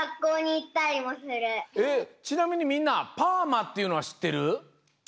えっちなみにみんなパーマっていうのはしってる？